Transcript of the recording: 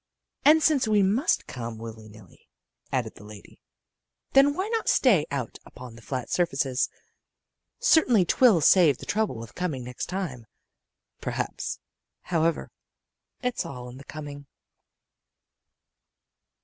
"And since we must come, willy nilly," added the lady, "then why not stay out upon the flat surfaces? Certainly 'twill save the trouble of coming next time. Perhaps, however, it's all in the coming."